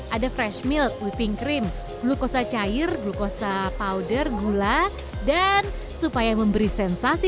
ada fresh milk wiping cream glukosa cair glukosa powder gula dan supaya memberi sensasi